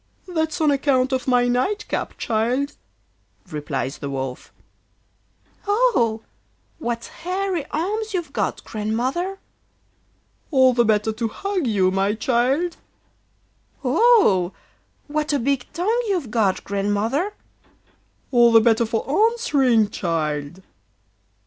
'That's on account of my night cap, child,' replies the Wolf. 'Oh! what hairy arms you've got, Grandmother!' 'All the better to hug you, my child.' 'Oh! what a big tongue you've got, Grandmother!' 'All the better for answering, child.